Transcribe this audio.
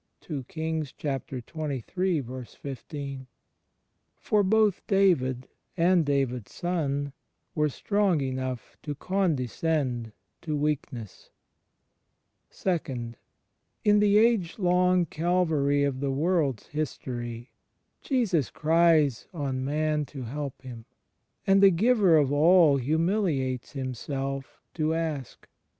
*^ n Eingps xxiii : 15. 140 THE FRIENDSHIP OF CHRIST For both David and David's Son were strong enough to condescend to weakness. (ii) In the age long Calvary of the world's history, Jesus cries on man to help Him; and the Giver of all humiliates Himself to ask.